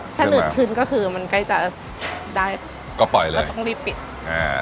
ถ้าหลุดขึ้นก็คือมันใกล้จะได้ก็ปล่อยเลยก็ต้องรีบปิดอ่า